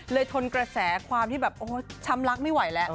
ทนกระแสความที่แบบโอ้ช้ำรักไม่ไหวแล้ว